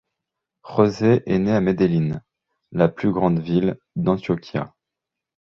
José est né à Medellín, la plus grande ville d'Antioquia.